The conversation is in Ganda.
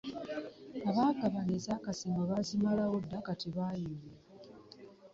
Abaagabana ez'akasiimo baazimalawo dda kati baayuuya.